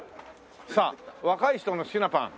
さあ若い人の好きなパン。